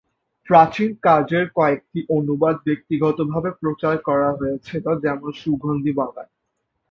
প্রাচীন কাজের কয়েকটি অনুবাদ ব্যক্তিগতভাবে প্রচার করা হয়েছিল, যেমন সুগন্ধি বাগান।